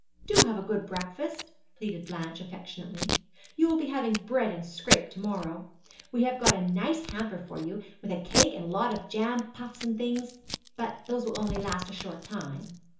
'Do have a good breakfast,' pleaded Blanche affectionately; 'you will be having bread and scrape to morrow. We have got a nice hamper for you, with a cake and a lot of jam puffs and things; but those will only last a short time.'